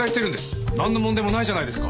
なんの問題もないじゃないですか。